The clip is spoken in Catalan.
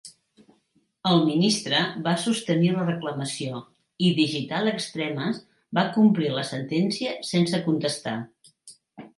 El ministre va sostenir la reclamació i Digital Extremes va complir amb la sentència sense contestar.